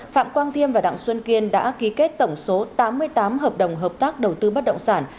phạm quang thiêm và đặng xuân kiên đã ký kết tổng số tám mươi tám hợp đồng hợp tác đầu tư bất động sản